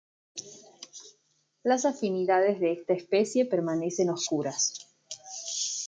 Las afinidades de esta especie permanecen oscuras.